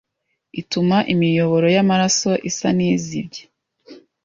ituma imiyoboro y’amaraso isa n’izibye